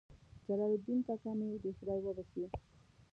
جلال الدین کاکا مې دې خدای وبخښي.